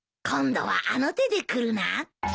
今度はあの手で来るな。